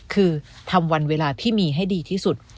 คือทำวันเวลาที่มีให้ดีที่สุด